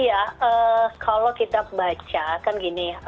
iya kalau kita baca kan gini